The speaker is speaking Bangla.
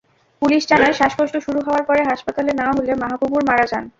পুলিশ জানায়, শ্বাসকষ্ট শুরু হওয়ার পরে হাসপাতালে নেওয়া হলে মাহাবুবুর মারা যান।